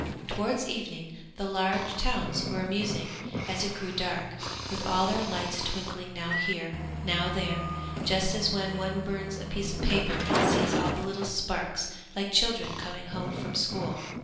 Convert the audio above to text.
Towards evening the large towns were amusing as it grew dark, with all their lights twinkling now here, now there, just as when one burns a piece of paper and sees all the little sparks like children coming home from school.